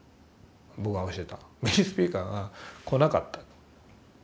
僕が教えたメインスピーカーが来なかった。